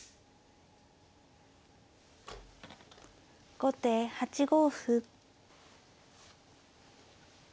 後手８五歩。